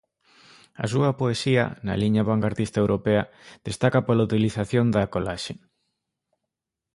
A súa poesía, na liña vangardista europea, destaca pola utilización da colaxe.